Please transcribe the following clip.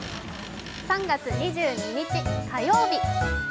３月２２日火曜日